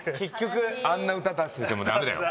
あんな歌出しててもダメだよ。